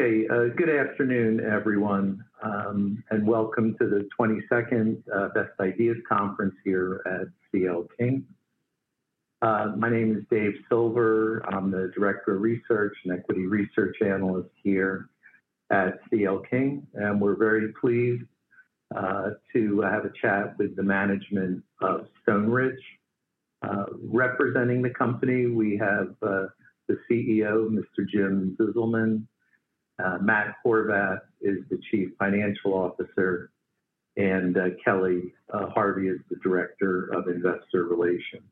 Okay, good afternoon, everyone, and welcome to the 22nd Best Ideas Conference here at CL King. My name is Dave Silver. I'm the Director of Research and Equity Research Analyst here at CL King, and we're very pleased to have a chat with the management of Stoneridge. Representing the company, we have the CEO, Mr. Jim Zizelman, Matt Horvath is the Chief Financial Officer, and Kelly Harvey is the Director of Investor Relations.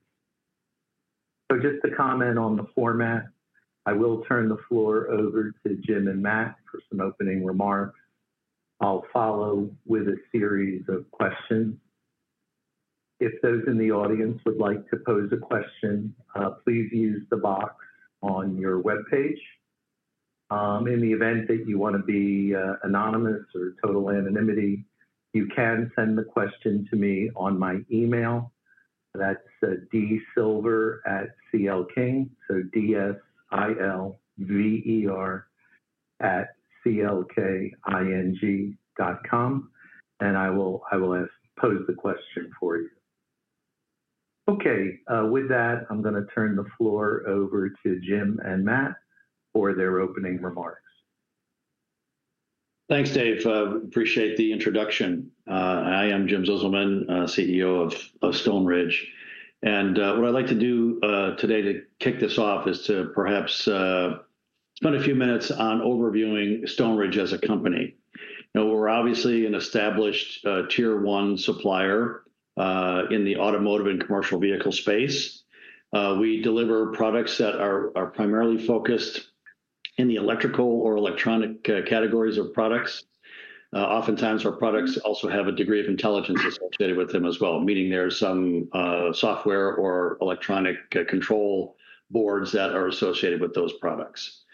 So just to comment on the format, I will turn the floor over to Jim and Matt for some opening remarks. I'll follow with a series of questions. If those in the audience would like to pose a question, please use the box on your webpage. In the event that you wanna be anonymous or total anonymity, you can send the question to me on my email. That's dsilver@clking, so d-s-i-l-v-e-r @ c-l-k-i-n-g.com, and I will pose the question for you. Okay, with that, I'm gonna turn the floor over to Jim and Matt for their opening remarks. Thanks, Dave. Appreciate the introduction. I am Jim Zizelman, CEO of Stoneridge, and what I'd like to do today to kick this off is to perhaps spend a few minutes on overviewing Stoneridge as a company. You know, we're obviously an established Tier 1 supplier in the automotive and commercial vehicle space. We deliver products that are primarily focused in the electrical or electronic categories of products. Oftentimes, our products also have a degree of intelligence associated with them as well, meaning there's some software or electronic control boards that are associated with those products.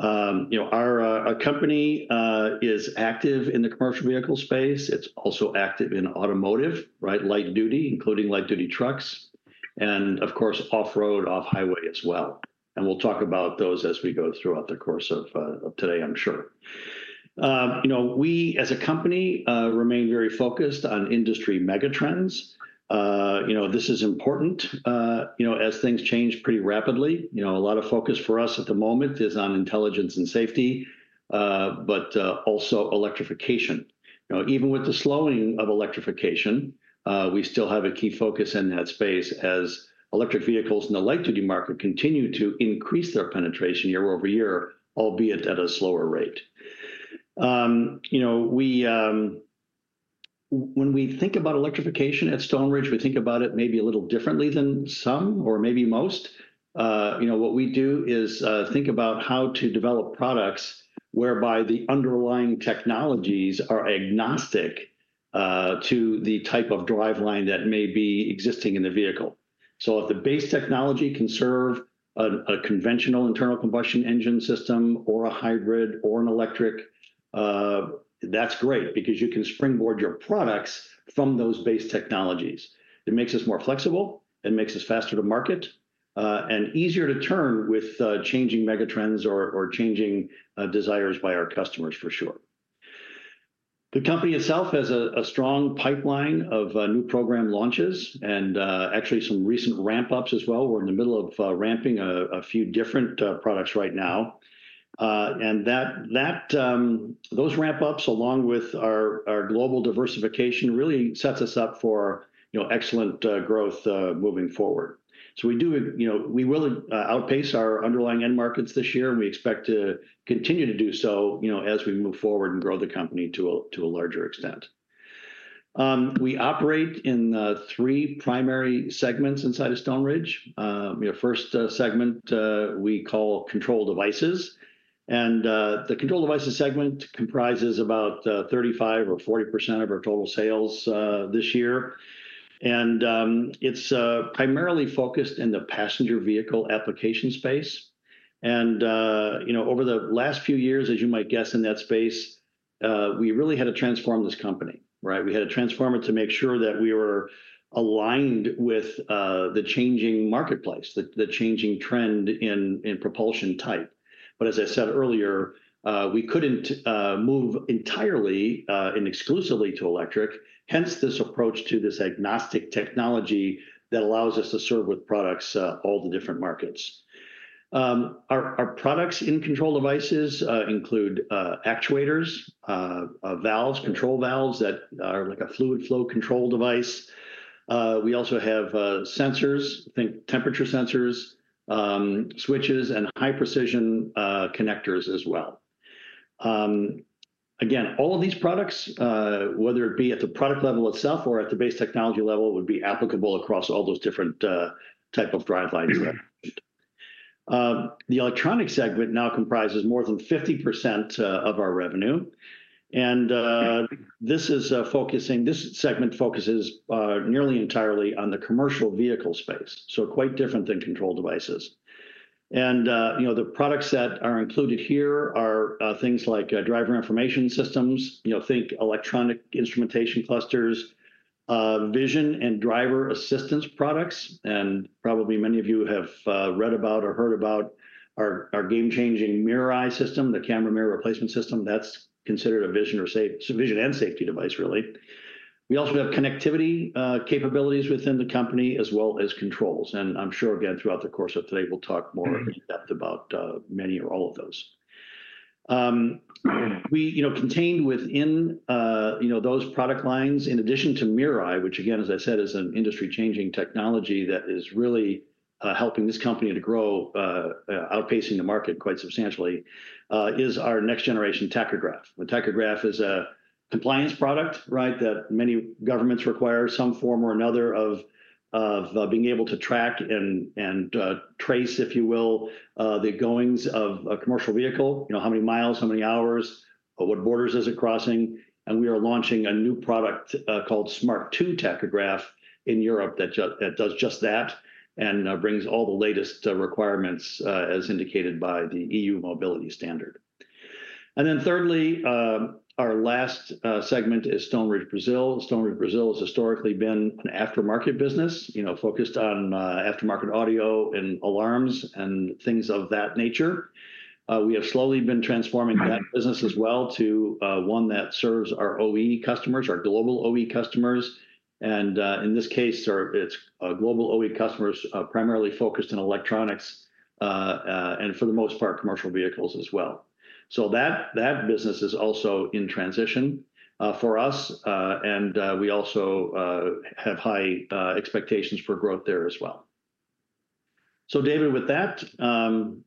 You know, our company is active in the commercial vehicle space. It's also active in automotive, right, light duty, including light duty trucks, and of course, off-road, off-highway as well, and we'll talk about those as we go throughout the course of today, I'm sure. You know, we, as a company, remain very focused on industry megatrends. You know, this is important, you know, as things change pretty rapidly. You know, a lot of focus for us at the moment is on intelligence and safety, but also electrification. You know, even with the slowing of electrification, we still have a key focus in that space as electric vehicles in the light duty market continue to increase their penetration year over year, albeit at a slower rate. You know, when we think about electrification at Stoneridge, we think about it maybe a little differently than some or maybe most. You know, what we do is think about how to develop products whereby the underlying technologies are agnostic to the type of driveline that may be existing in the vehicle. So if the base technology can serve a conventional internal combustion engine system or a hybrid or an electric, that's great because you can springboard your products from those base technologies. It makes us more flexible, it makes us faster to market, and easier to turn with changing megatrends or changing desires by our customers for sure. The company itself has a strong pipeline of new program launches and actually some recent ramp-ups as well. We're in the middle of ramping a few different products right now. and those ramp-ups, along with our global diversification, really sets us up for, you know, excellent growth moving forward. So we do, you know, we will outpace our underlying end markets this year, and we expect to continue to do so, you know, as we move forward and grow the company to a larger extent. We operate in three primary segments inside of Stoneridge. Our first segment we call Control Devices, and the Control Devices segment comprises about 35 or 40% of our total sales this year. And it's primarily focused in the passenger vehicle application space, and you know, over the last few years, as you might guess in that space, we really had to transform this company, right? We had to transform it to make sure that we were aligned with the changing marketplace, the changing trend in propulsion type, but as I said earlier, we couldn't move entirely and exclusively to electric, hence this approach to this agnostic technology that allows us to serve with products all the different markets. Our products in Control Devices include actuators, valves, control valves that are like a fluid flow control device. We also have sensors, think temperature sensors, switches, and high-precision connectors as well. Again, all of these products, whether it be at the product level itself or at the base technology level, would be applicable across all those different type of drivelines. The Electronics segment now comprises more than 50% of our revenue, and this segment focuses nearly entirely on the commercial vehicle space, so quite different than Control Devices. And you know, the products that are included here are things like driver information systems, you know, think electronic instrumentation clusters, vision and driver assistance products, and probably many of you have read about or heard about our game-changing MirrorEye system, the camera mirror replacement system. That's considered a vision. It's a vision and safety device, really. We also have connectivity capabilities within the company, as well as controls. And I'm sure, again, throughout the course of today, we'll talk more in depth about many or all of those. We, you know, contained within, you know, those product lines, in addition to MirrorEye, which again, as I said, is an industry-changing technology that is really helping this company to grow, outpacing the market quite substantially, is our next generation tachograph. A tachograph is a compliance product, right, that many governments require some form or another of being able to track and trace, if you will, the goings of a commercial vehicle. You know, how many miles, how many hours, what borders is it crossing? And we are launching a new product called Smart 2 tachograph in Europe that does just that, and brings all the latest requirements as indicated by the EU mobility standard. And then thirdly, our last segment is Stoneridge Brazil. Stoneridge Brazil has historically been an aftermarket business, you know, focused on aftermarket audio and alarms and things of that nature. We have slowly been transforming that business as well to one that serves our OE customers, our global OE customers, and, in this case, it's global OE customers, primarily focused on electronics and for the most part, commercial vehicles as well. So that business is also in transition for us, and we also have high expectations for growth there as well. So David, with that,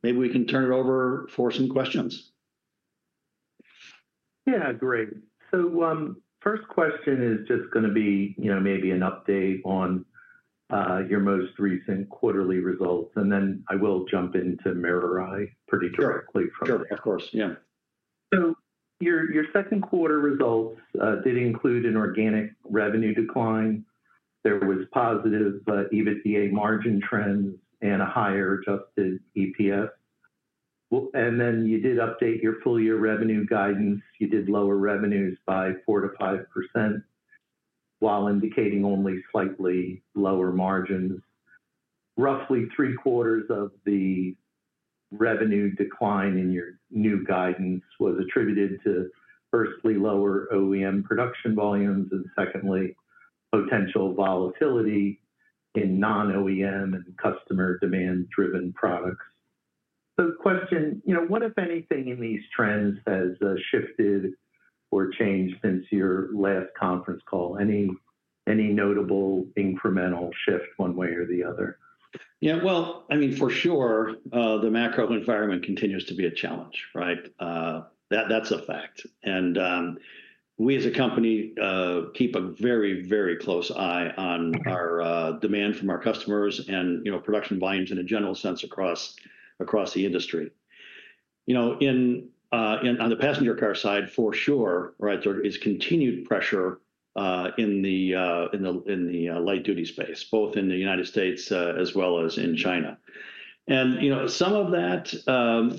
maybe we can turn it over for some questions. Yeah, great. So, first question is just gonna be, you know, maybe an update on your most recent quarterly results, and then I will jump into MirrorEye pretty directly from- Sure. Sure. Of course, yeah. So your second quarter results did include an organic revenue decline. There was positive but EBITDA margin trends and a higher adjusted EPS. And then you did update your full year revenue guidance. You did lower revenues by 4-5%, while indicating only slightly lower margins. Roughly three-quarters of the revenue decline in your new guidance was attributed to, firstly, lower OEM production volumes, and secondly, potential volatility in non-OEM and customer demand-driven products. So question, you know, what, if anything, in these trends has shifted or changed since your last conference call? Any notable incremental shift one way or the other? Yeah, well, I mean, for sure, the macro environment continues to be a challenge, right? That, that's a fact. And, we, as a company, keep a very, very close eye on our, demand from our customers and, you know, production volumes in a general sense across the industry. You know, on the passenger car side, for sure, right, there is continued pressure in the light duty space, both in the United States, as well as in China. And, you know, some of that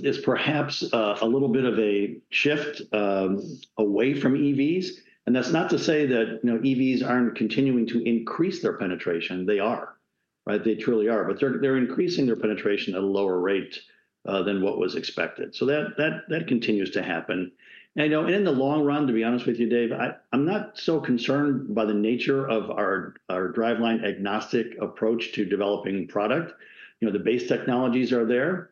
is perhaps a little bit of a shift away from EVs, and that's not to say that, you know, EVs aren't continuing to increase their penetration. They are. Right? They truly are, but they're increasing their penetration at a lower rate than what was expected. So that continues to happen. And, you know, in the long run, to be honest with you, Dave, I'm not so concerned by the nature of our driveline agnostic approach to developing product. You know, the base technologies are there.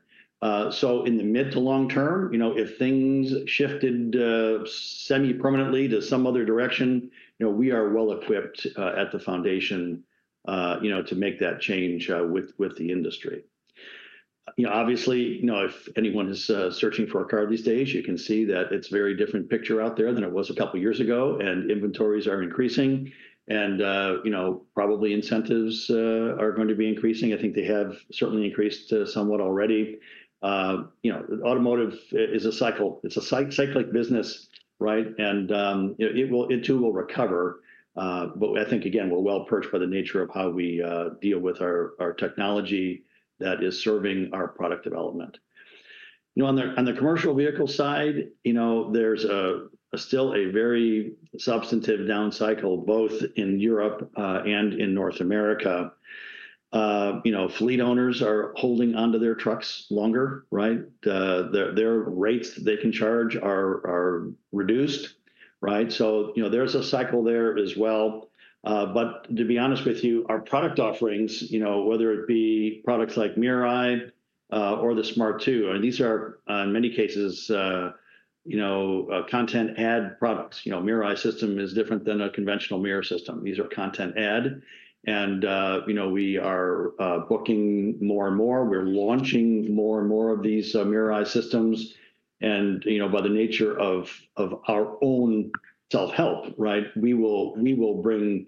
So in the mid to long term, you know, if things shifted semi-permanently to some other direction, you know, we are well-equipped at the foundation, you know, to make that change with the industry. You know, obviously, you know, if anyone is searching for a car these days, you can see that it's a very different picture out there than it was a couple of years ago, and inventories are increasing, and, you know, probably incentives are going to be increasing. I think they have certainly increased somewhat already. You know, automotive is a cycle. It's a cyclic business, right? And it too will recover. But I think, again, we're well-perched by the nature of how we deal with our technology that is serving our product development. You know, on the commercial vehicle side, you know, there's still a very substantive down cycle, both in Europe and in North America. You know, fleet owners are holding onto their trucks longer, right? Their rates they can charge are reduced, right? So, you know, there's a cycle there as well. But to be honest with you, our product offerings, you know, whether it be products like MirrorEye or the Smart 2, and these are in many cases, you know, content ad products. You know, MirrorEye system is different than a conventional mirror system. These are content ad, and you know, we are booking more and more. We're launching more and more of these MirrorEye systems, and you know, by the nature of our own self-help, right, we will bring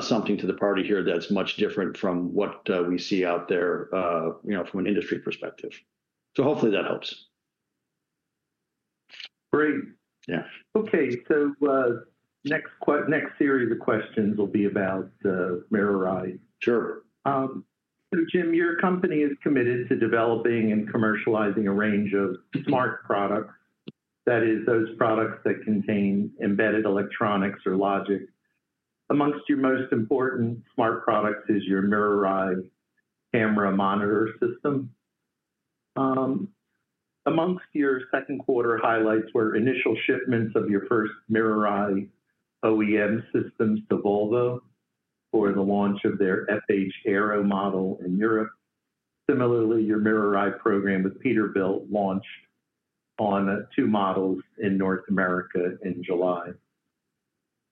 something to the party here that's much different from what we see out there, you know, from an industry perspective. So hopefully that helps. Okay, so, next series of questions will be about the MirrorEye. So, Jim, your company is committed to developing and commercializing a range of smart products, that is, those products that contain embedded electronics or logic. Among your most important smart products is your MirrorEye camera monitor system. Among your second quarter highlights were initial shipments of your first MirrorEye OEM systems to Volvo for the launch of their FH Aero model in Europe. Similarly, your MirrorEye program with Peterbilt launched on two models in North America in July.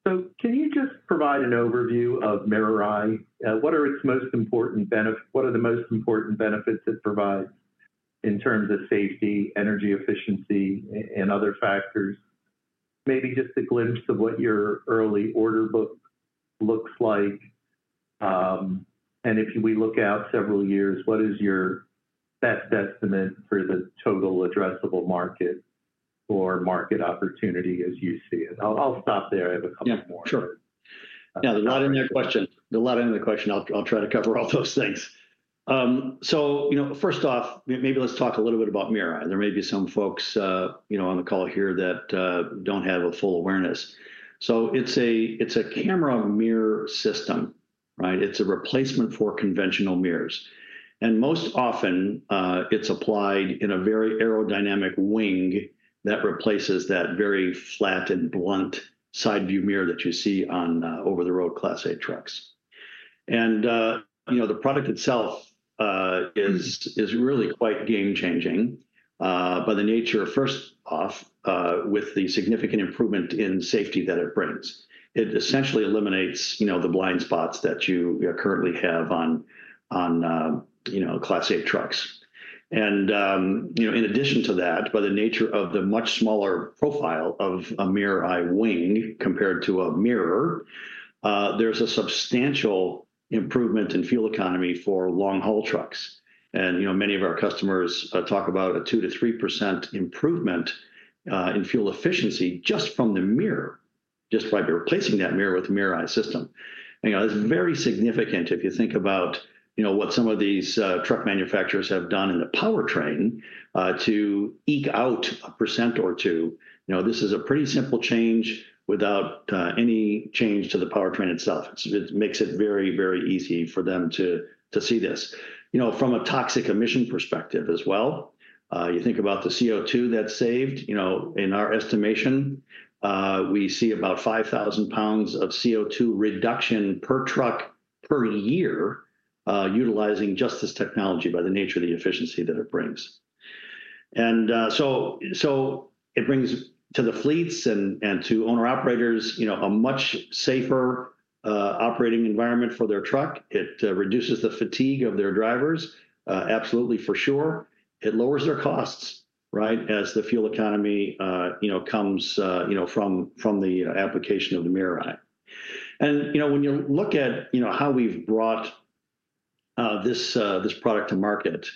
So can you just provide an overview of MirrorEye? What are the most important benefits it provides in terms of safety, energy efficiency, and other factors? Maybe just a glimpse of what your early order book looks like. And if we look out several years, what is your best estimate for the total addressable market or market opportunity as you see it? I'll stop there. I have a couple more- Yeah, sure. Now, there's a lot in that question. There's a lot in the question. I'll try to cover all those things. So, you know, first off, maybe let's talk a little bit about MirrorEye. There may be some folks, you know, on the call here that don't have a full awareness. So it's a camera mirror system, right? It's a replacement for conventional mirrors, and most often, it's applied in a very aerodynamic wing that replaces that very flat and blunt side-view mirror that you see on over-the-road Class 8 trucks. And, you know, the product itself is really quite game-changing by the nature, first off, with the significant improvement in safety that it brings. It essentially eliminates, you know, the blind spots that you currently have on you know, Class 8 trucks. And, you know, in addition to that, by the nature of the much smaller profile of a MirrorEye wing compared to a mirror, there's a substantial improvement in fuel economy for long-haul trucks. And, you know, many of our customers talk about a 2-3% improvement in fuel efficiency just from the mirror, just by replacing that mirror with a MirrorEye system. You know, this is very significant if you think about, you know, what some of these truck manufacturers have done in the powertrain to eke out a percent or two. You know, this is a pretty simple change without any change to the powertrain itself. It makes it very, very easy for them to see this. You know, from a toxic emission perspective as well, you think about the CO2 that's saved, you know, in our estimation, we see about 5,000 pounds of CO2 reduction per truck per year, utilizing just this technology, by the nature of the efficiency that it brings. And, so it brings to the fleets and to owner-operators, you know, a much safer operating environment for their truck. It reduces the fatigue of their drivers, absolutely for sure. It lowers their costs, right, as the fuel economy, you know, comes, you know, from the application of the MirrorEye. And, you know, when you look at, you know, how we've brought this product to market,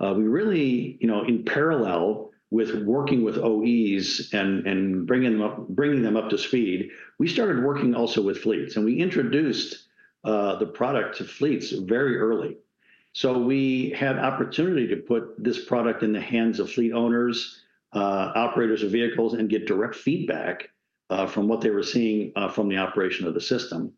we really... You know, in parallel with working with OEs and bringing them up to speed, we started working also with fleets, and we introduced the product to fleets very early. So we had opportunity to put this product in the hands of fleet owners, operators of vehicles, and get direct feedback from what they were seeing from the operation of the system.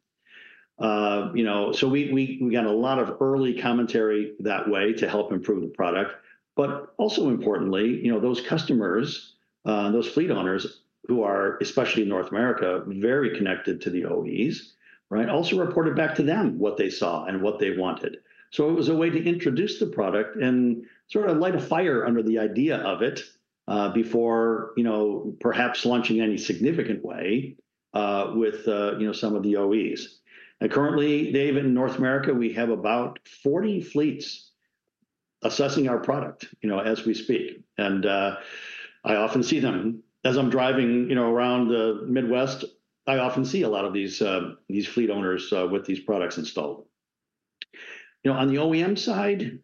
You know, so we got a lot of early commentary that way to help improve the product. But also importantly, you know, those customers, those fleet owners, who are, especially in North America, very connected to the OEs, right, also reported back to them what they saw and what they wanted. So it was a way to introduce the product and sort of light a fire under the idea of it, before you know, perhaps launching any significant way with you know, some of the OEs. And currently, Dave, in North America, we have about 40 fleets assessing our product, you know, as we speak, and I often see them. As I'm driving, you know, around the Midwest, I often see a lot of these fleet owners with these products installed. You know, on the OEM side,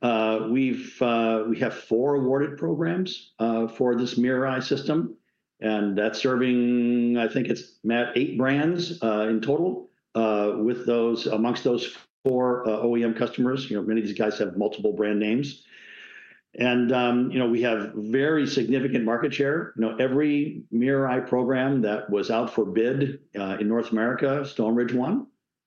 we have four awarded programs for this MirrorEye system, and that's serving, I think it's eight brands in total with those amongst those four OEM customers. You know, many of these guys have multiple brand names. And you know, we have very significant market share. You know, every MirrorEye program that was out for bid, in North America, Stoneridge won,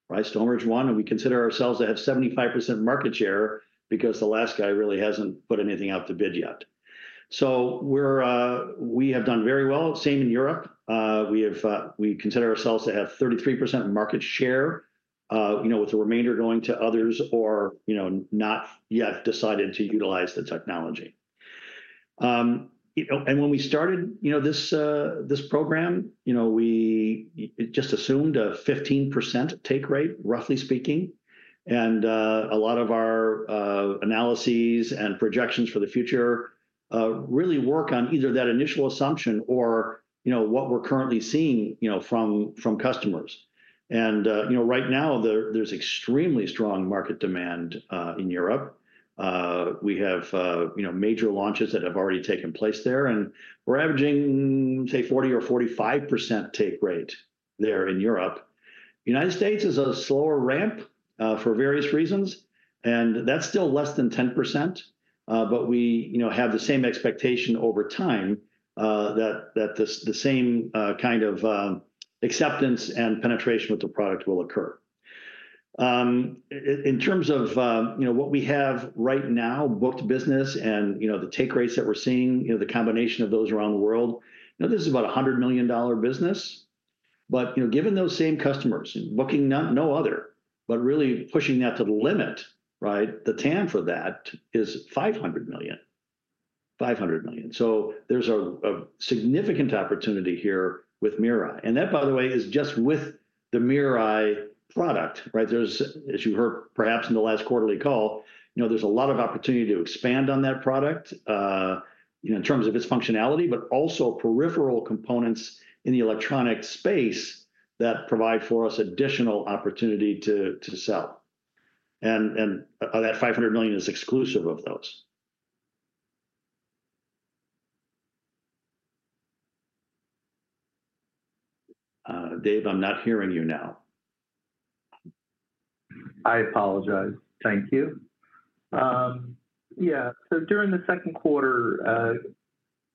right? Stoneridge won, and we consider ourselves to have 75% market share because the last guy really hasn't put anything out to bid yet. So we have done very well. Same in Europe. We have. We consider ourselves to have 33% market share, you know, with the remainder going to others or, you know, not yet decided to utilize the technology. You know, and when we started, you know, this program, you know, it just assumed a 15% take rate, roughly speaking, and, a lot of our analyses and projections for the future really work on either that initial assumption or, you know, what we're currently seeing, you know, from customers. You know, right now, there's extremely strong market demand in Europe. We have, you know, major launches that have already taken place there, and we're averaging, say, 40 or 45% take rate there in Europe. United States is a slower ramp for various reasons, and that's still less than 10%, but we, you know, have the same expectation over time that the same kind of acceptance and penetration with the product will occur. In terms of, you know, what we have right now, booked business and, you know, the take rates that we're seeing, you know, the combination of those around the world, you know, this is about a $100 million business. But, you know, given those same customers, booking no other, but really pushing that to the limit, right, the TAM for that is $500 million. So there's a significant opportunity here with MirrorEye. And that, by the way, is just with the MirrorEye product, right? There's, as you heard, perhaps in the last quarterly call, you know, there's a lot of opportunity to expand on that product, you know, in terms of its functionality, but also peripheral components in the electronic space that provide for us additional opportunity to sell. And that $500 million is exclusive of those. Dave, I'm not hearing you now. I apologize. Thank you. Yeah, so during the second quarter,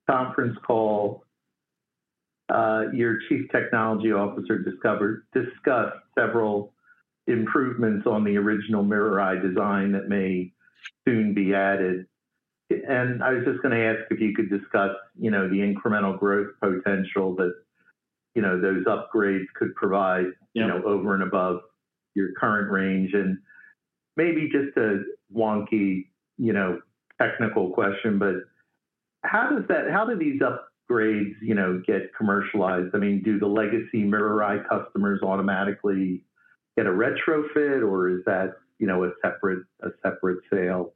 conference call, your Chief Technology Officer discussed several improvements on the original MirrorEye design that may soon be added. And I was just gonna ask if you could discuss, you know, the incremental growth potential that, you know, those upgrades could provide? You know, over and above your current range. And maybe just a wonky, you know, technical question, but how do these upgrades, you know, get commercialized? I mean, do the legacy MirrorEye customers automatically get a retrofit, or is that, you know, a separate sale?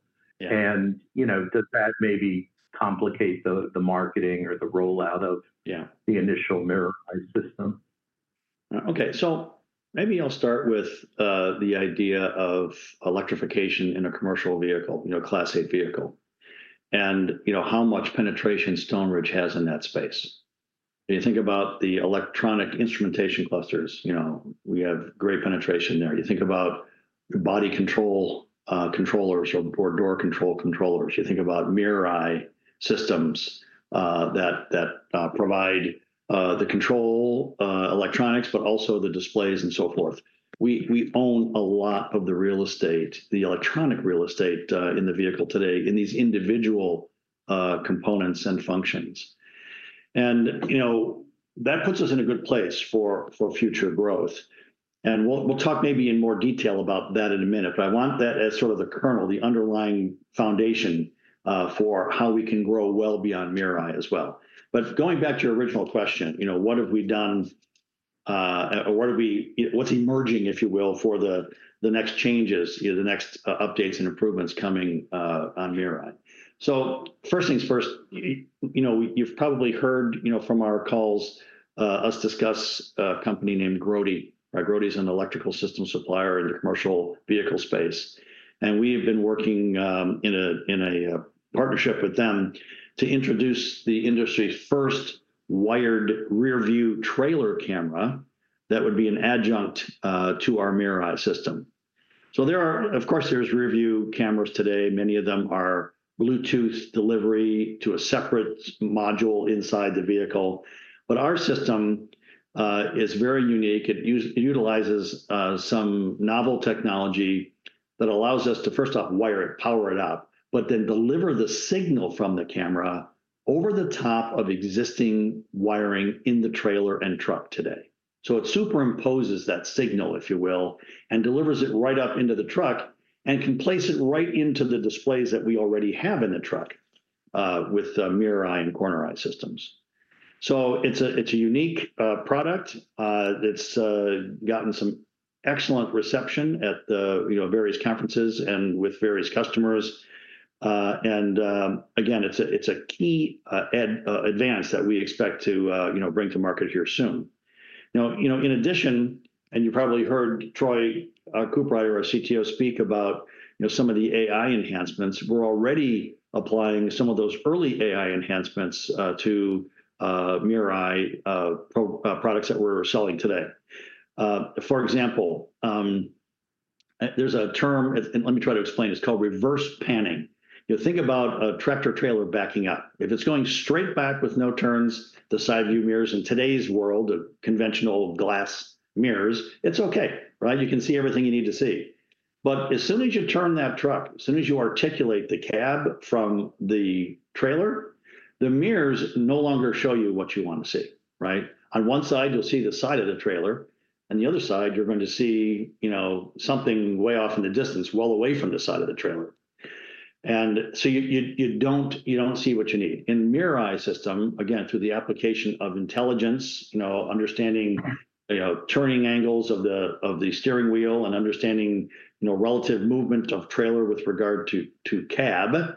You know, does that maybe complicate the marketing or the rollout of? the initial MirrorEye system? Okay, so maybe I'll start with the idea of electrification in a commercial vehicle, you know, Class 8 vehicle, and, you know, how much penetration Stoneridge has in that space. When you think about the electronic instrumentation clusters, you know, we have great penetration there. You think about the body control controllers or the power door control controllers, you think about MirrorEye systems that provide the control electronics, but also the displays and so forth. We own a lot of the real estate, the electronic real estate in the vehicle today in these individual components and functions. And, you know, that puts us in a good place for future growth, and we'll talk maybe in more detail about that in a minute, but I want that as sort of the kernel, the underlying foundation for how we can grow well beyond MirrorEye as well. But going back to your original question, you know, what have we done or what are we. You know, what's emerging, if you will, for the next changes, you know, the next updates and improvements coming on MirrorEye? So first things first, you know, you've probably heard, you know, from our calls us discuss a company named Grote. Right, Grote is an electrical system supplier in the commercial vehicle space, and we have been working in a partnership with them to introduce the industry's first wired rear view trailer camera that would be an adjunct to our MirrorEye system. So of course, there's rear view cameras today, many of them are Bluetooth delivery to a separate module inside the vehicle, but our system is very unique. It utilizes some novel technology that allows us to, first off, wire it, power it up, but then deliver the signal from the camera over the top of existing wiring in the trailer and truck today. So it superimposes that signal, if you will, and delivers it right up into the truck, and can place it right into the displays that we already have in the truck, with MirrorEye and CornerEye systems. So it's a unique product that's gotten some excellent reception at the, you know, various conferences and with various customers. And again, it's a key advance that we expect to, you know, bring to market here soon. Now, you know, in addition, and you probably heard Troy Cooprider, our CTO, speak about, you know, some of the AI enhancements, we're already applying some of those early AI enhancements to MirrorEye products that we're selling today. For example, there's a term, it's... And let me try to explain. It's called reverse panning. You think about a tractor trailer backing up. If it's going straight back with no turns, the side view mirrors in today's world of conventional glass mirrors, it's okay, right? You can see everything you need to see. But as soon as you turn that truck, as soon as you articulate the cab from the trailer, the mirrors no longer show you what you want to see, right? On one side, you'll see the side of the trailer, on the other side, you're going to see, you know, something way off in the distance, well away from the side of the trailer. And so you don't see what you need. In MirrorEye system, again, through the application of intelligence, you know, understanding, you know, turning angles of the steering wheel and understanding, you know, relative movement of trailer with regard to cab,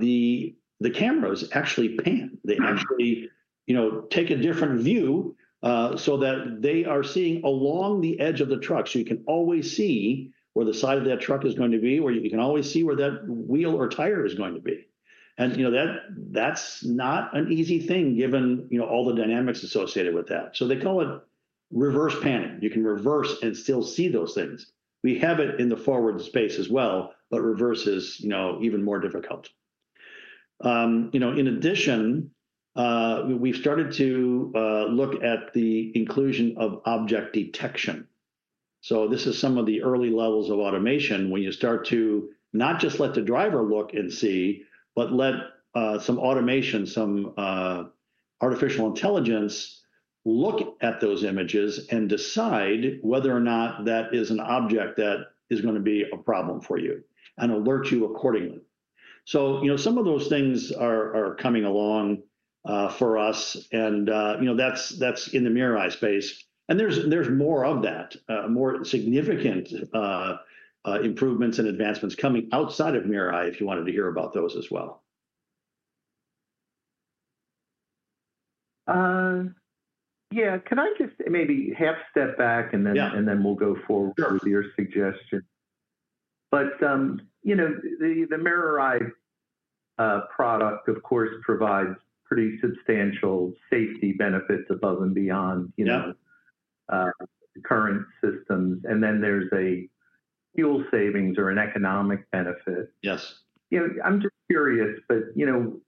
the cameras actually pan. They actually, you know, take a different view, so that they are seeing along the edge of the truck. So you can always see where the side of that truck is going to be, or you can always see where that wheel or tire is going to be. And, you know, that, that's not an easy thing, given, you know, all the dynamics associated with that. So they call it reverse panning. You can reverse and still see those things. We have it in the forward space as well, but reverse is, you know, even more difficult.... You know, in addition, we've started to look at the inclusion of object detection. So this is some of the early levels of automation, when you start to not just let the driver look and see, but let some automation, some artificial intelligence look at those images and decide whether or not that is an object that is gonna be a problem for you, and alert you accordingly. So, you know, some of those things are coming along for us, and you know, that's in the MirrorEye space. There's more of that, more significant improvements and advancements coming outside of MirrorEye, if you wanted to hear about those as well. Yeah, can I just maybe half step back, and then- and then we'll go forward- with your suggestion? But, you know, the MirrorEye product, of course, provides pretty substantial safety benefits above and beyond, you know- current systems, and then there's a fuel savings or an economic benefit. You know, I'm just curious, but, you know,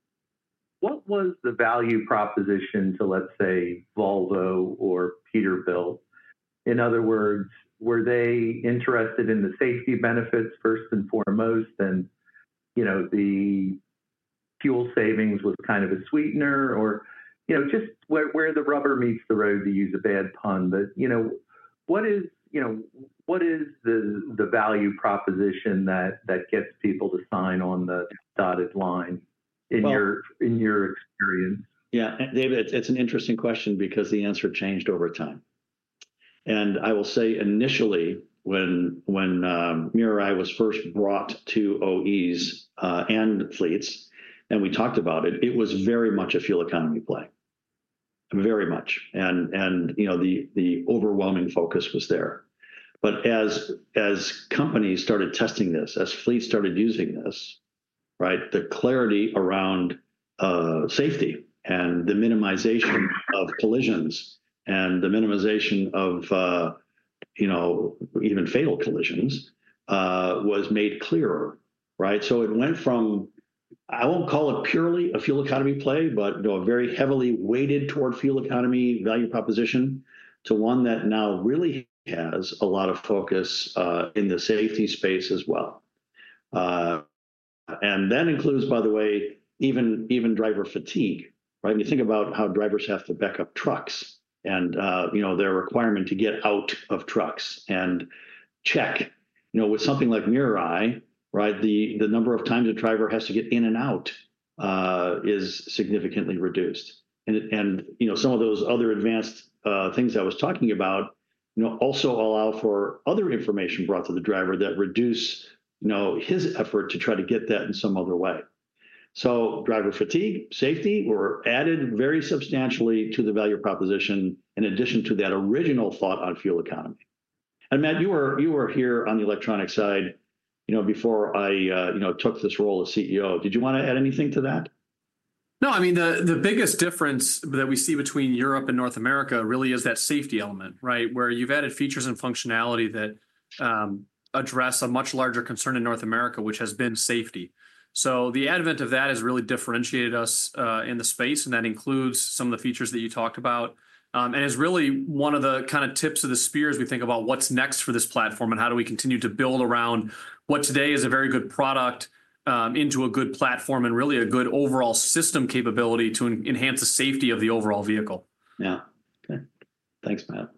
what was the value proposition to, let's say, Volvo or Peterbilt? In other words, were they interested in the safety benefits first and foremost, and, you know, the fuel savings was kind of a sweetener or... You know, just where the rubber meets the road, to use a bad pun. But, you know, what is, you know, what is the value proposition that gets people to sign on the dotted line in your experience? Yeah, and David, it's an interesting question because the answer changed over time. I will say, initially, when MirrorEye was first brought to OEs and fleets, and we talked about it, it was very much a fuel economy play. Very much, and you know, the overwhelming focus was there. But as companies started testing this, as fleets started using this, right, the clarity around safety and the minimization of collisions, and the minimization of you know, even fatal collisions was made clearer, right? So it went from, I won't call it purely a fuel economy play, but you know, a very heavily weighted toward fuel economy value proposition, to one that now really has a lot of focus in the safety space as well. And that includes, by the way, even driver fatigue, right? When you think about how drivers have to back up trucks and, you know, their requirement to get out of trucks and check. You know, with something like MirrorEye, right, the number of times a driver has to get in and out is significantly reduced. And, you know, some of those other advanced things I was talking about, you know, also allow for other information brought to the driver that reduce, you know, his effort to try to get that in some other way. So driver fatigue, safety, were added very substantially to the value proposition, in addition to that original thought on fuel economy. And Matt, you were here on the electronic side, you know, before I, you know, took this role as CTO. Did you wanna add anything to that? No, I mean, the biggest difference that we see between Europe and North America really is that safety element, right? Where you've added features and functionality that address a much larger concern in North America, which has been safety. So the advent of that has really differentiated us in the space, and that includes some of the features that you talked about, and is really one of the kinda tips of the spear as we think about what's next for this platform, and how do we continue to build around what today is a very good product into a good platform, and really a good overall system capability to enhance the safety of the overall vehicle. Yeah. Okay. Thanks, Matt.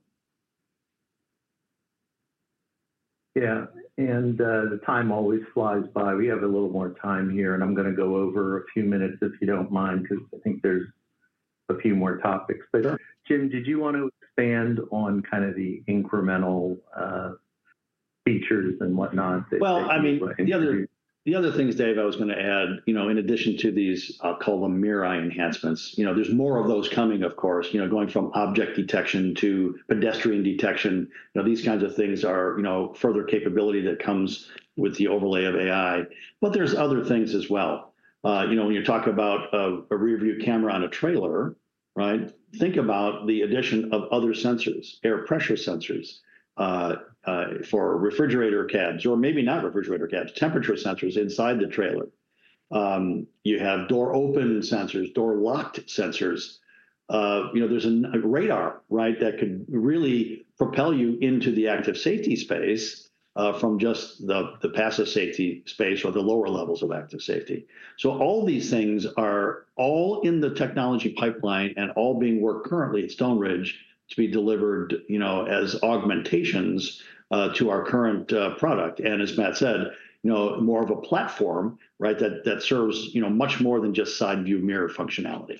Yeah, and, the time always flies by. We have a little more time here, and I'm gonna go over a few minutes, if you don't mind, 'cause I think there's a few more topics Jim, did you want to expand on kind of the incremental features and whatnot that- Well, I mean- The other things, Dave, I was gonna add, you know, in addition to these, I'll call them MirrorEye enhancements, you know, there's more of those coming, of course. You know, going from object detection to pedestrian detection, you know, these kinds of things are, you know, further capability that comes with the overlay of AI. But there's other things as well. You know, when you talk about a rear view camera on a trailer, right, think about the addition of other sensors, air pressure sensors for refrigerator cabs, or maybe not refrigerator cabs, temperature sensors inside the trailer. You have door-open sensors, door-locked sensors. You know, there's a radar, right, that could really propel you into the active safety space from just the passive safety space or the lower levels of active safety. So all these things are all in the technology pipeline and all being worked currently at Stoneridge to be delivered, you know, as augmentations to our current product. And as Matt said, you know, more of a platform, right, that serves, you know, much more than just side view mirror functionality.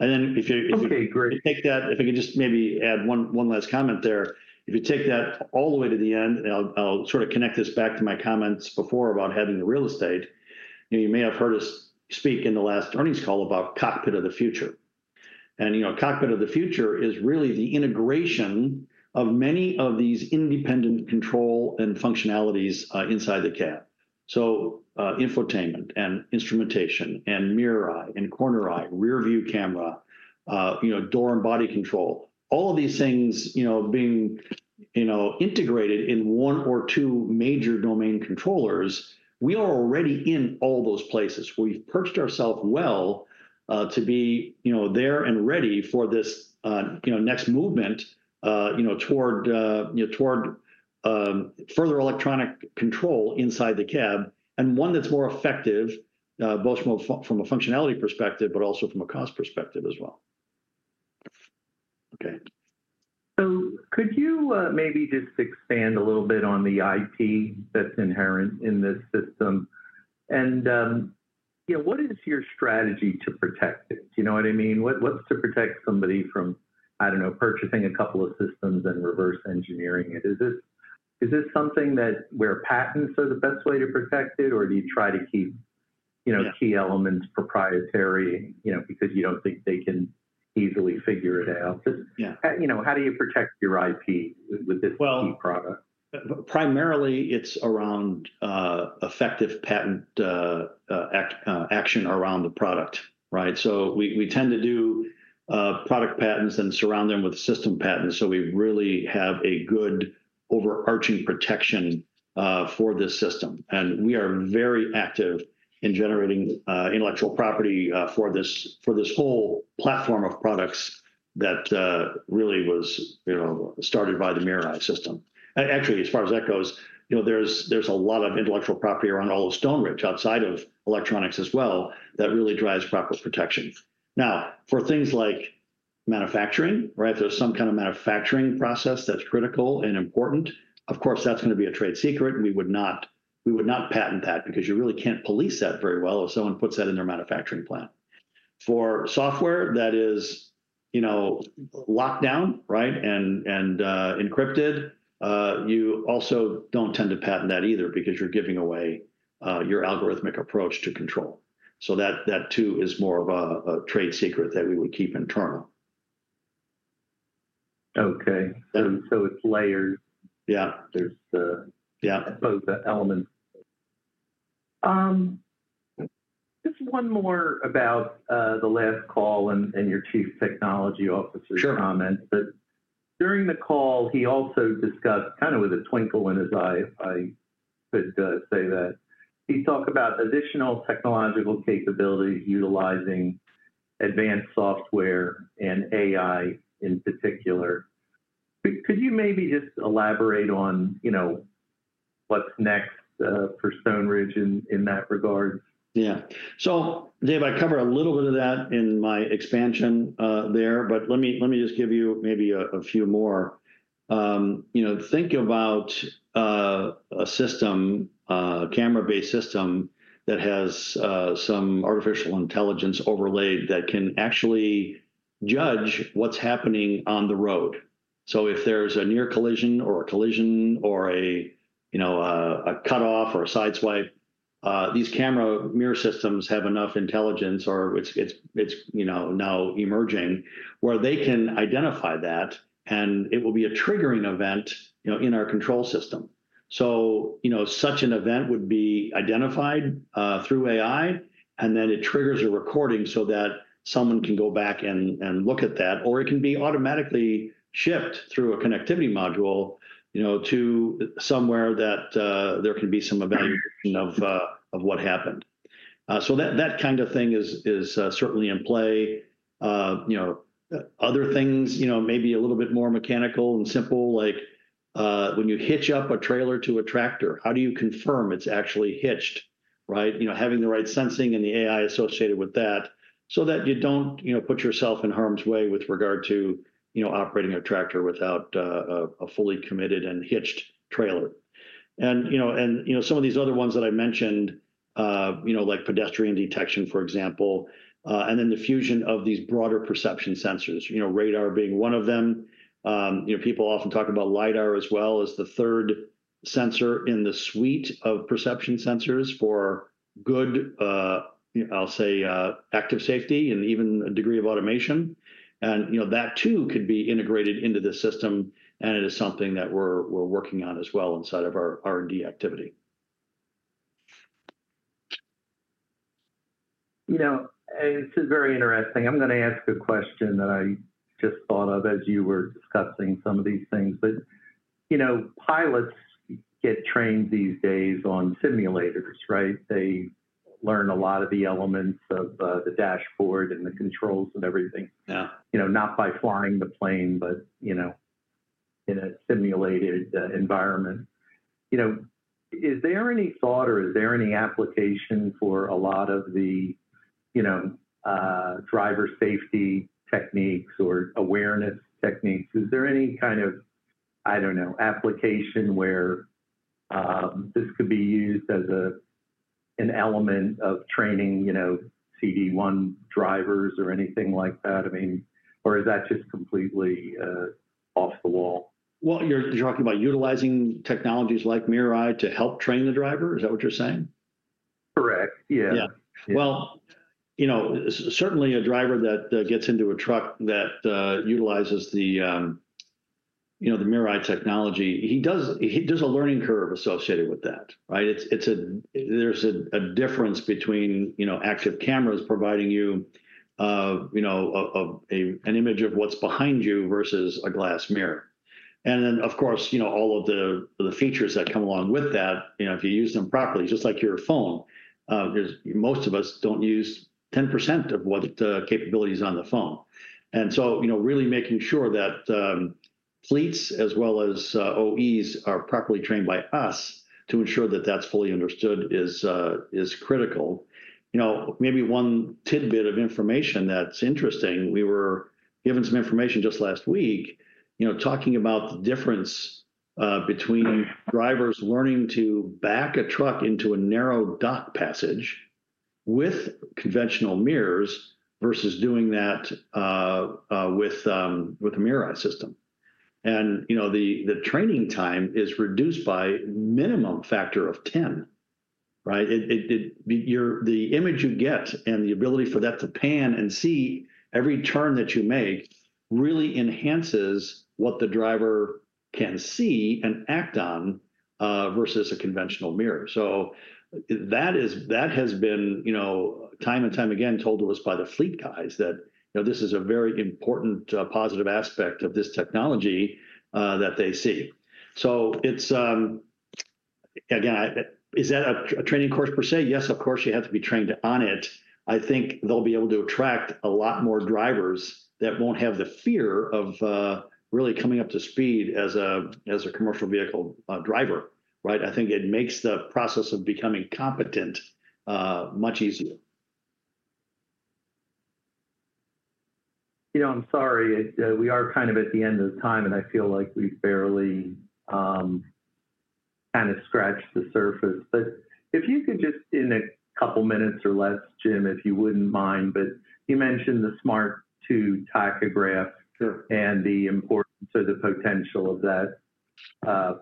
And then if you, if you- Okay, great take that, if I could just maybe add one last comment there. If you take that all the way to the end, and I'll sort of connect this back to my comments before about heading to real estate, you know, you may have heard us speak in the last earnings call about Cockpit of the Future. You know, Cockpit of the Future is really the integration of many of these independent control and functionalities inside the cab, so infotainment and instrumentation, and MirrorEye, and CornerEye, rear view camera, you know, door and body control, all of these things, you know, being integrated in one or two major domain controllers, we are already in all those places. We've perched ourself well, you know, to be there and ready for this, you know, next movement, you know, toward you know, toward further electronic control inside the cab, and one that's more effective, both from a from a functionality perspective, but also from a cost perspective as well. Okay. So could you, maybe just expand a little bit on the IP that's inherent in this system? And, you know, what is your strategy to protect it? Do you know what I mean? What's to protect somebody from, I don't know, purchasing a couple of systems and reverse engineering it? Is this something where patents are the best way to protect it, or do you try to keep, you know key elements proprietary, you know, because you don't think they can easily figure it out? You know, how do you protect your IP with this key product? Primarily, it's around effective patent action around the product, right? So we tend to do product patents, then surround them with system patents, so we really have a good overarching protection for this system. And we are very active in generating intellectual property for this whole platform of products that really was, you know, started by the MirrorEye system. Actually, as far as that goes, you know, there's a lot of intellectual property around all of Stoneridge, outside of electronics as well, that really drives proper protection. Now, for things like manufacturing, right, there's some kind of manufacturing process that's critical and important, of course, that's gonna be a trade secret, and we would not patent that because you really can't police that very well if someone puts that in their manufacturing plant. For software that is, you know, locked down, right, and encrypted, you also don't tend to patent that either because you're giving away your algorithmic approach to control. So that too is more of a trade secret that we would keep internal. Okay. And so it's layered? There's the- both elements. Just one more about the last call and your Chief Technology Officer's-... comments. But during the call, he also discussed, kind of with a twinkle in his eye, if I could say that, he talked about additional technological capabilities utilizing advanced software and AI in particular. Could you maybe just elaborate on, you know, what's next for Stoneridge in that regard? Yeah. So Dave, I cover a little bit of that in my expansion, there, but let me just give you maybe a few more. You know, think about a system, a camera-based system that has some artificial intelligence overlaid that can actually judge what's happening on the road. So if there's a near collision, or a collision, or a, you know, a cutoff or a sideswipe, these camera mirror systems have enough intelligence or it's, you know, now emerging, where they can identify that, and it will be a triggering event, you know, in our control system. So, you know, such an event would be identified through AI, and then it triggers a recording so that someone can go back and look at that, or it can be automatically shipped through a connectivity module, you know, to somewhere that there can be some evaluation of what happened, so that kind of thing is certainly in play. You know, other things, you know, maybe a little bit more mechanical and simple, like, when you hitch up a trailer to a tractor, how do you confirm it's actually hitched, right? You know, having the right sensing and the AI associated with that, so that you don't, you know, put yourself in harm's way with regard to, you know, operating a tractor without a fully committed and hitched trailer. You know, some of these other ones that I mentioned, you know, like pedestrian detection, for example, and then the fusion of these broader perception sensors, you know, radar being one of them. You know, people often talk about LiDAR as well as the third sensor in the suite of perception sensors for good, I'll say, active safety, and even a degree of automation. You know, that too could be integrated into the system, and it is something that we're working on as well inside of our R&D activity. You know, this is very interesting. I'm gonna ask a question that I just thought of as you were discussing some of these things, but you know, pilots get trained these days on simulators, right? They learn a lot of the elements of the dashboard and the controls and everything-... you know, not by flying the plane, but, you know, in a simulated, environment. You know, is there any thought or is there any application for a lot of the, you know, driver safety techniques or awareness techniques? Is there any kind of, I don't know, application where, this could be used as an element of training, you know, CDL drivers or anything like that? I mean, or is that just completely, off the wall? Well, you're talking about utilizing technologies like MirrorEye to help train the driver? Is that what you're saying? Yeah. Well, you know, certainly a driver that gets into a truck that utilizes the, you know, the MirrorEye technology, there's a learning curve associated with that, right? It's a, there's an image of what's behind you versus a glass mirror. And then, of course, you know, all of the features that come along with that, you know, if you use them properly, just like your phone, 'cause most of us don't use 10% of what capabilities on the phone. And so, you know, really making sure that fleets as well as OEs are properly trained by us to ensure that that's fully understood is critical. You know, maybe one tidbit of information that's interesting, we were given some information just last week, you know, talking about the difference between drivers learning to back a truck into a narrow dock passage with conventional mirrors versus doing that with a MirrorEye system. And, you know, the training time is reduced by minimum factor of 10, right? The image you get and the ability for that to pan and see every turn that you make really enhances what the driver can see and act on versus a conventional mirror. So that is, that has been, you know, time and time again, told to us by the fleet guys that, you know, this is a very important, positive aspect of this technology, that they see. So it's, again, is that a training course per se? Yes, of course, you have to be trained on it. I think they'll be able to attract a lot more drivers that won't have the fear of, really coming up to speed as a commercial vehicle, driver, right? I think it makes the process of becoming competent, much easier. You know, I'm sorry, we are kind of at the end of the time, and I feel like we've barely kind of scratched the surface. But if you could just, in a couple minutes or less, Jim, if you wouldn't mind, but you mentioned the Smart 2 tachograph-... and the importance or the potential of that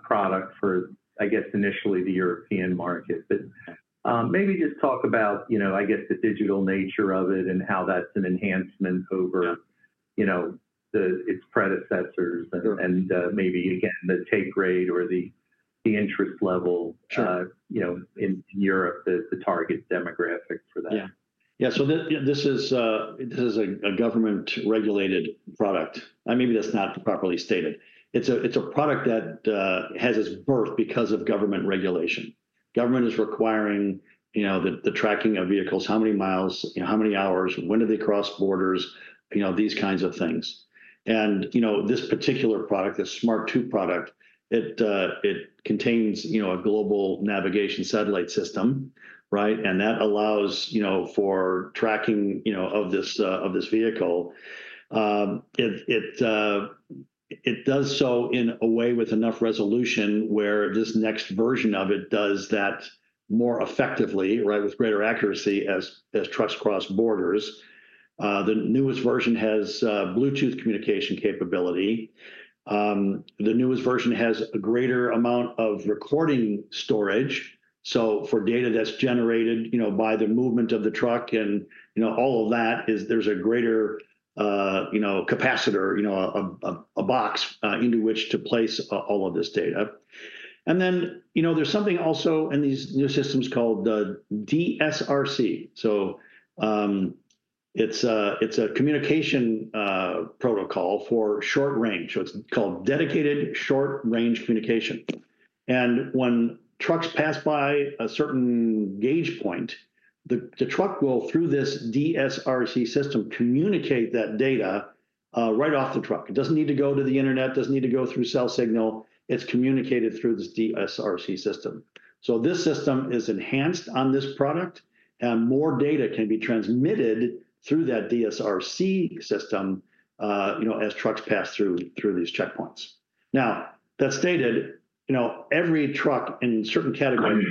product for, I guess, initially the European market. But-... maybe just talk about, you know, I guess, the digital nature of it and how that's an enhancement over- ... you know, the, its predecessors-... and, maybe, again, the take rate or the interest level-... you know, in Europe, the target demographic for that. Yeah. Yeah, so this is a government-regulated product. Maybe that's not properly stated. It's a product that has its birth because of government regulation. Government is requiring, you know, the tracking of vehicles, how many miles, you know, how many hours, when do they cross borders, you know, these kinds of things. And, you know, this particular product, the Smart 2 product, it contains, you know, a global navigation satellite system, right? And that allows, you know, for tracking, you know, of this vehicle. It does so in a way with enough resolution where this next version of it does that more effectively, right, with greater accuracy as trucks cross borders. The newest version has Bluetooth communication capability. The newest version has a greater amount of recording storage, so for data that's generated, you know, by the movement of the truck and, you know, all of that is there's a greater, you know, capacitor, you know, a box into which to place all of this data. And then, you know, there's something also in these new systems called the DSRC. So, it's a communication protocol for short range, so it's called Dedicated Short Range Communication. And when trucks pass by a certain gauge point, the truck will, through this DSRC system, communicate that data right off the truck. It doesn't need to go to the internet, doesn't need to go through cell signal, it's communicated through this DSRC system. So this system is enhanced on this product, and more data can be transmitted through that DSRC system, you know, as trucks pass through these checkpoints. Now, that stated, you know, every truck in a certain category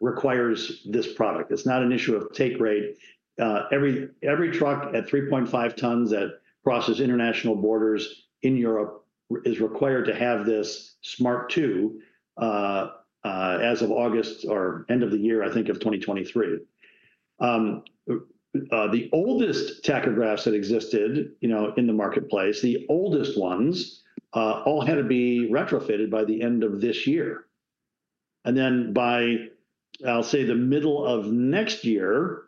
requires this product. It's not an issue of take rate. Every truck at 3.5 tons that crosses international borders in Europe is required to have this Smart 2 as of August or end of the year, I think, of 2023. The oldest tachographs that existed, you know, in the marketplace, the oldest ones, all had to be retrofitted by the end of this year, and then by, I'll say, the middle of next year,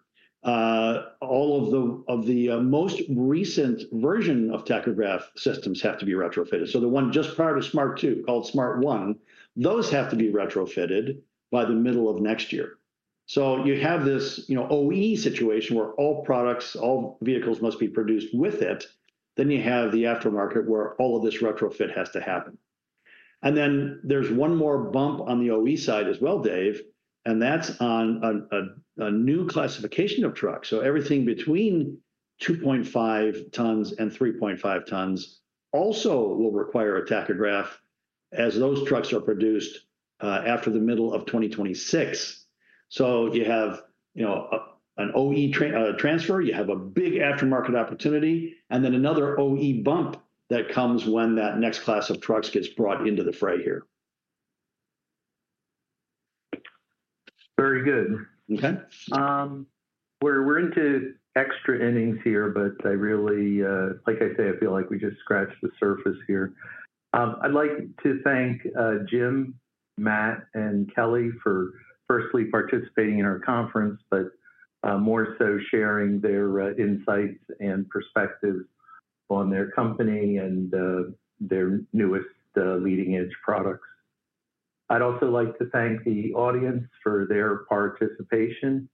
all of the most recent version of tachograph systems have to be retrofitted. So the one just prior to Smart 2, called Smart 1, those have to be retrofitted by the middle of next year. So you have this, you know, OE situation, where all products, all vehicles must be produced with it, then you have the aftermarket, where all of this retrofit has to happen. And then there's one more bump on the OE side as well, Dave, and that's on a new classification of trucks. So everything between 2.5 and 3.5 tons also will require a tachograph as those trucks are produced after the middle of 2026. So you have, you know, an OE transfer, you have a big aftermarket opportunity, and then another OE bump that comes when that next class of trucks gets brought into the fray here. Very good. We're into extra innings here, but I really, like I say, I feel like we just scratched the surface here. I'd like to thank Jim, Matt, and Kelly for firstly participating in our conference, but more so sharing their insights and perspectives on their company and their newest leading-edge products. I'd also like to thank the audience for their participation.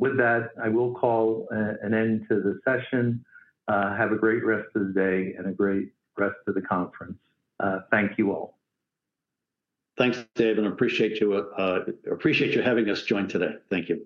With that, I will call an end to the session. Have a great rest of the day and a great rest of the conference. Thank you, all. Thanks, Dave, and appreciate you having us join today. Thank you.